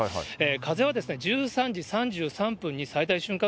風は１３時３３分に最大瞬間